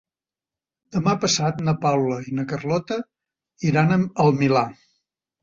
Demà passat na Paula i na Carlota iran al Milà.